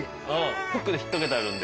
フックで引っ掛けてあるんで。